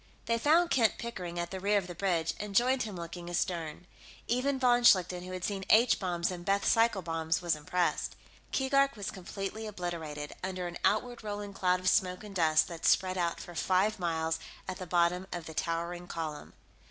They found Kent Pickering at the rear of the bridge, and joined him looking astern. Even von Schlichten, who had seen H bombs and Bethe cycle bombs, was impressed. Keegark was completely obliterated under an outward rolling cloud of smoke and dust that spread out for five miles at the bottom of the towering column.